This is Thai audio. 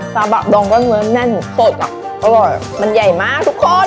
ซาบะดองก็เนื้อแน่นสดอ่ะอร่อยมันใหญ่มากทุกคน